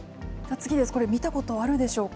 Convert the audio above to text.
次です、これ、見たことあるでしょうか。